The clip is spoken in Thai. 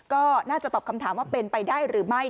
ก็น่าจะตอบคำถามว่าเป็นไปได้หรือไม่